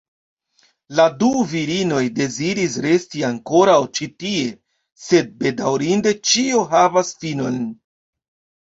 La du virinoj deziris resti ankoraŭ ĉi tie, sed bedaŭrinde ĉio havas finon.